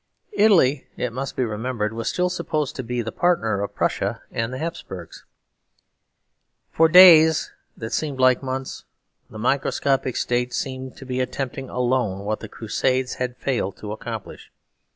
Italy, it must be remembered, was still supposed to be the partner of Prussia and the Hapsburgs. For days that seemed like months the microscopic state seemed to be attempting alone what the Crusades had failed to accomplish.